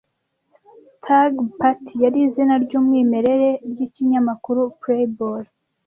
Stag Party yari izina ryumwimerere ryikinyamakuru Playboy